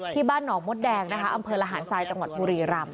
ที่บ้านหนองมดแดงนะคะอำเภอระหารทรายจังหวัดบุรีรำ